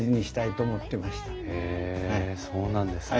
へえそうなんですね。